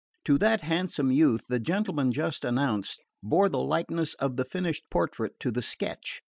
To that handsome youth the gentleman just announced bore the likeness of the finished portrait to the sketch.